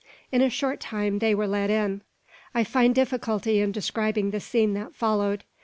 In a short time they were led in. I find a difficulty in describing the scene that followed.